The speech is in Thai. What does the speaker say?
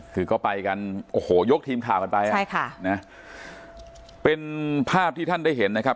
คือก็ไปกันโอ้โหยกทีมข่าวกันไปใช่ค่ะนะเป็นภาพที่ท่านได้เห็นนะครับ